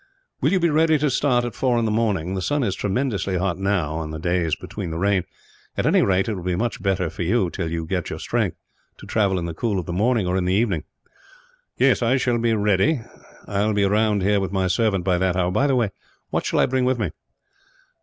"Will you be ready to start at four in the morning? The sun is tremendously hot now, on the days between the rain; at any rate, it will be much better for you, till you get your strength, to travel in the cool of the morning, or in the evening." "I shall be ready. I will be round here, with my servant, by that hour. By the way, what shall I bring with me?"